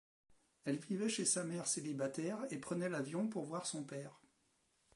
Elle vivait chez sa mère célibataire et prenait l'avion pour voir son père.